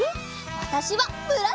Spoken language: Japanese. わたしはむらさき！